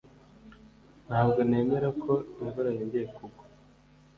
Ntabwo nemera ko imvura yongeye kugwa.